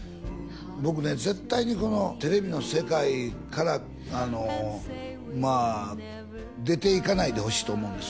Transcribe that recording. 僕ね絶対にこのテレビの世界からまあ出て行かないでほしいと思うんです